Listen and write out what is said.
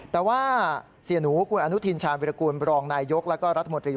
แต่ว่าเสียหนูคุณอนุทินชาญวิรากูลบรองนายยกแล้วก็รัฐมนตรี